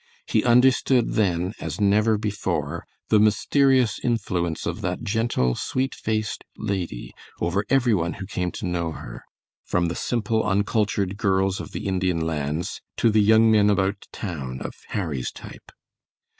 He understood then, as never before, the mysterious influence of that gentle, sweet faced lady over every one who came to know her, from the simple, uncultured girls of the Indian Lands to the young men about town of Harry's type.